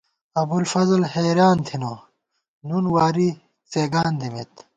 ابُوالفضل حیریان تھنہ، نُون واری څېگان دِمېت